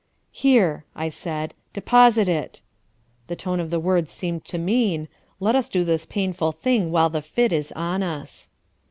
"Here," I said, "deposit it." The tone of the words seemed to mean, "Let us do this painful thing while the fit is on us."